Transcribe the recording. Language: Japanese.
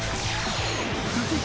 ［続いて］